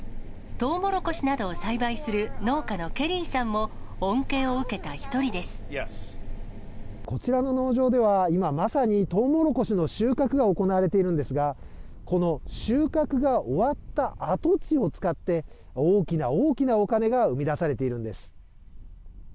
トウモロコシなどを栽培する農家のケリーさんも、恩恵を受けた一こちらの農場では今まさに、トウモロコシの収穫が行われているんですが、この収穫が終わった跡地を使って、大きな大きなお金が生み出されているんです。